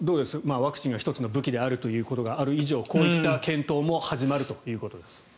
ワクチンが１つの武器であるということがある以上こういった検討も始まるということです。